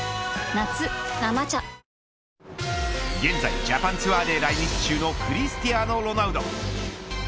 夏「生茶」現在ジャパンツアーで来日中のクリスティアーノ・ロナウド。